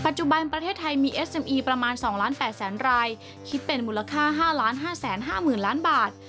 จะเป็นมูลค่า๕๕๕๐๐๐๐บาท